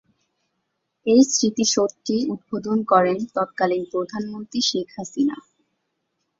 এ স্মৃতিসৌধটি উদ্বোধন করেন তৎকালিন প্রধানমন্ত্রী শেখ হাসিনা।